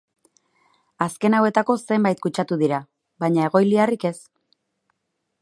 Azken hauetako zenbait kutsatu dira, baina egoiliarrik ez.